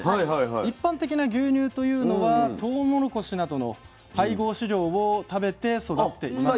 一般的な牛乳というのはトウモロコシなどの配合飼料を食べて育っています。